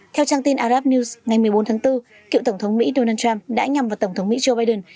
theo trang tin arab news ngày một mươi bốn tháng bốn cựu tổng thống mỹ donald trump đã nhằm vào tổng thống mỹ joe biden